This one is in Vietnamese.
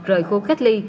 rời khu cách ly